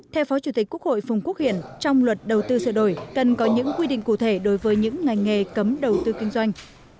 theo phó chủ tịch quốc hội phùng quốc hiển trong luật đầu tư sửa đổi cần có những quy định cụ thể đối với những ngành nghề cấm đầu tư kinh doanh